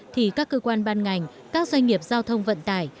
thì các cơ quan ban ngành các doanh nghiệp giao thông vận tải